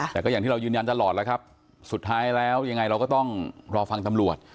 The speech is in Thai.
แต่ก็อย่างที่เรายืนยันตลอดแล้วครับสุดท้ายแล้วยังไงเราก็ต้องรอฟังตำรวจ